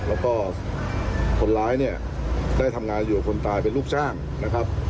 แล้วก็คนร้ายเนี่ยได้ทำงานอยู่กับคนตายเป็นลูกจ้างนะครับ